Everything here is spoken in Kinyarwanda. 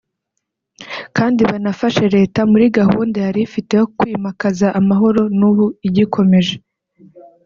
Kandi banafashe Leta muri gahunda yari ifite yo kwimakaza amahoro n’ubu igikomeje